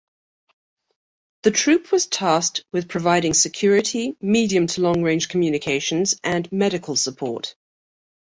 The Troop was tasked with providing security, medium-to-long range communications and medical support.